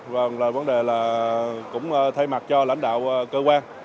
và vấn đề là cũng thay mặt cho lãnh đạo cơ quan